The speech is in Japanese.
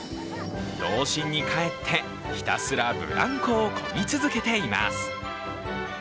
童心に帰ってひたすらブランコをこぎ続けています。